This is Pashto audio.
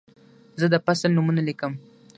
زه د فصل نومونه لیکم.